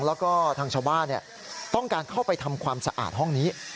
แล้วก็ทางชาวบ้านต้องการเข้าไปทำความสะอาดห้องนี้